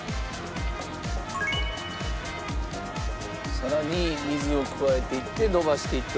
さらに水を加えていってのばしていっております。